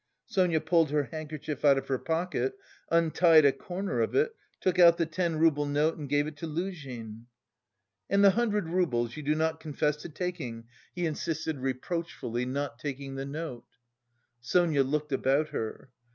Sonia pulled her handkerchief out of her pocket, untied a corner of it, took out the ten rouble note and gave it to Luzhin. "And the hundred roubles you do not confess to taking?" he insisted reproachfully, not taking the note. Sonia looked about her.